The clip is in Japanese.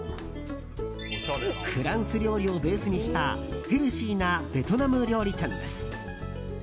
フランス料理をベースにしたヘルシーなベトナム料理店です。